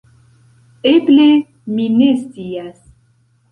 Eble, mi ne scias.